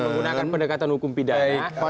menggunakan pendekatan hukum pidana